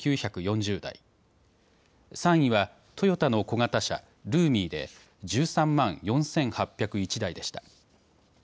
３位はトヨタの小型車ルーミーで１３万４８０１台でした。